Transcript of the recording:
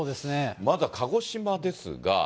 まずは鹿児島ですが。